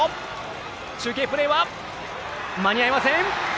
中継プレーは間に合いません。